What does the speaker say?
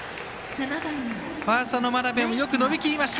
ファーストの真鍋もよく伸びきりました。